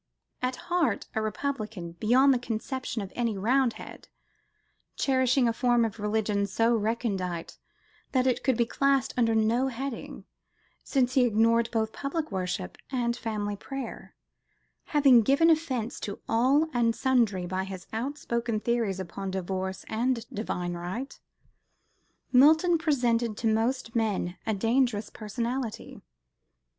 At heart a Republican beyond the conception of any Roundhead, cherishing a form of religion so recondite that it could be classed under no heading, since he ignored both public worship and family prayer, having given offence to all and sundry by his outspoken theories upon divorce and divine right, Milton presented to most men a dangerous personality.